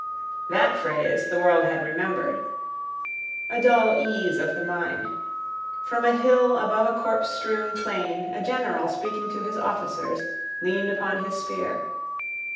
_ That phrase the world had remembered. A dull ease of the mind. From a hill above a corpsestrewn plain a general speaking to his officers, leaned upon his spear.